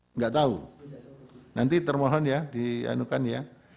tidak tahu nanti termohon ya dianukan ya